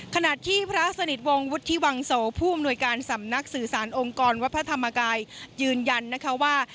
ขณะที่พระสนิทวงศ์วุฒิวังโสผู้อำนวยการสำนักสื่อสารองค์กรวัดพระธรรมกายยืนยันนะคะว่า